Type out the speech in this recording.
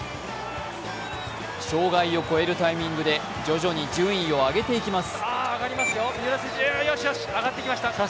障害を越えるタイミングで徐々に順位を上げていきます。